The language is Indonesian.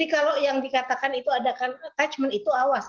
kalau yang dikatakan itu ada attachment itu awas